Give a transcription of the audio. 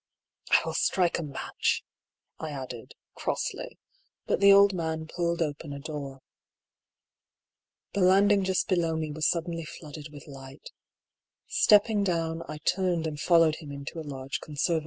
" I will strike a match," I added, crossly ; but the old man pulled open a door. The landing just below me was suddenly flooded with lighi Stepping down, I turned and followed him into a large conservatory.